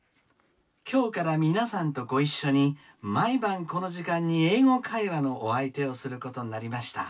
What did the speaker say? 今日から皆さんとご一緒に毎晩この時間に『英語会話』のお相手をすることになりました。